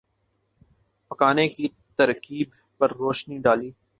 پکانے کی ترکیب پر روشنی ڈالی